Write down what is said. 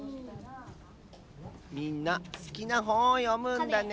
みんなすきなほんをよむんだね。